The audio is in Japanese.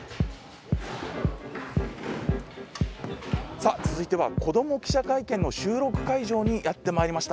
さあ続いては「子ども記者会見」の収録会場にやってまいりました。